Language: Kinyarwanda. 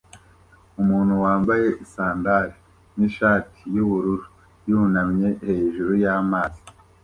Umuntu wambaye sandali nishati yubururu yunamye hejuru yamazi